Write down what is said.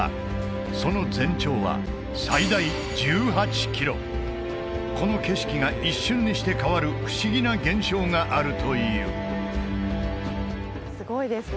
その全長はこの景色が一瞬にして変わる不思議な現象があるというすごいですね